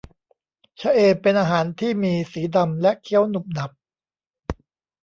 ชะเอมเป็นอาหารที่มีสีดำและเคี้ยวหนุบหนับ